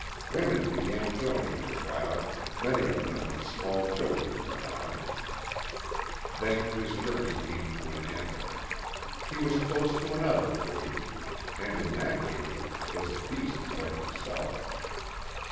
Women began joining the crowd, many of them with small children in their arms. Then his journey came to an end. He was close to another cage, and in that cage was a beast like himself.